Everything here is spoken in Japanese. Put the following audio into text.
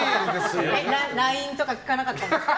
ＬＩＮＥとか聞かなかったんですか？